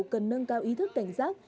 cần nâng cao ý thức cảnh giác